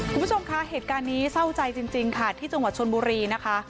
คุณผู้ชมคะเหตุการณ์นี้เศร้าใจจริงค่ะที่จังหวัดชนบุรีนะคะ